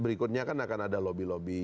berikutnya kan akan ada lobby lobby